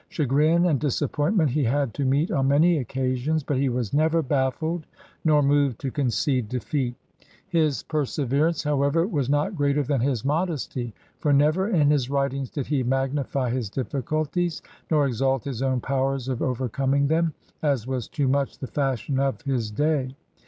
Chagrin and disappointment he had to meet on many occasions, but he was never baffled nor moved to concede defeat. His per severance, however, was not greater than his modesty, for never in his writings did he magnify his difficulties nor exalt his own powers of over coming them, as was too much the fashion of his day.